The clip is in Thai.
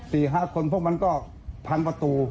สี่ห้าคนพวกมันก็พังประตู